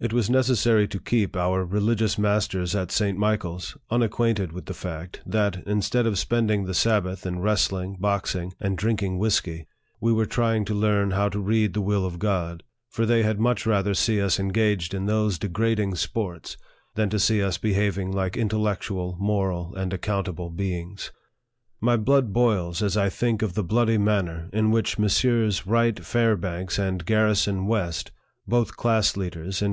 It was necessary to keep our religious masters at St. Michael's unacquainted with the fact, that, instead of spending the Sabbath in wrestling, boxing, and drinking whisky, we were try ing to learn how to read the will of God ; for they had much rather see us engaged in those degrading sports, than to see us behaving like intellectual, moral, and accountable beings. My blood boils as I think of the bloody manner in which Messrs. Wright Fairbanks and Garrison West, both class leaders, in.